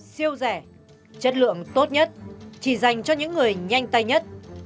siêu rẻ chất lượng tốt nhất chỉ dành cho những người nhanh tay nhất